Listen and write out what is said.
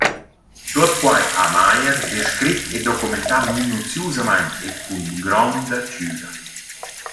Tuot quai ha Meier descrit e documentà minuziusamaing e cun gronda chüra.